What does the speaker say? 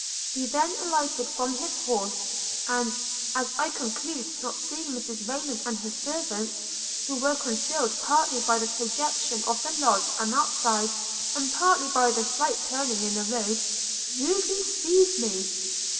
He then alighted from his horse, and (as I conclude, not seeing Mrs Rayland and her servants, who were concealed partly by the projection of the lodge on that side, and partly by the slight turning in the road) rudely seized me.